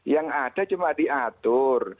yang ada cuma diatur